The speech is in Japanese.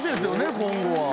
今後は。